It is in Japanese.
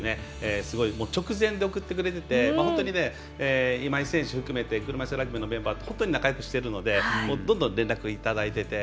すごい直前で送ってくれていて本当に今井選手含めて車いすラグビーのメンバーと本当に仲よくしているので連絡をいただいていて。